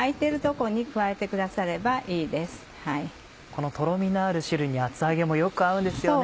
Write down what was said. このトロミのある汁に厚揚げもよく合うんですよね。